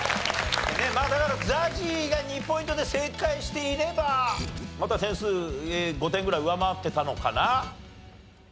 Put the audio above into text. まあだからＺＡＺＹが２ポイントで正解していればまた点数５点ぐらい上回ってたのかな？